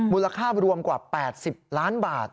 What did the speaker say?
มูลค่ารวมกว่า๘๐ล้านบาท